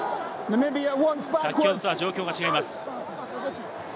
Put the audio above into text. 先ほどとは状況が違います。